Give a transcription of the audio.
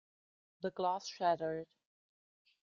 The glass shattered.